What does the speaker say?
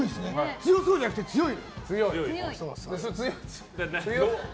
強そうじゃなくて、強い。